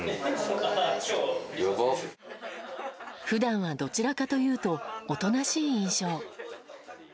普段は、どちらかというとおとなしい印象。